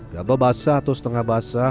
gabah basah atau setengah basah